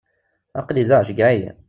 Aql-i da, ceggeɛ-iyi.